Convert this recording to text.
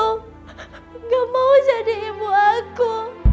tidak mau jadi ibu aku